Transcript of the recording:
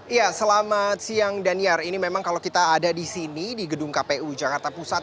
ya selamat siang daniar ini memang kalau kita ada di sini di gedung kpu jakarta pusat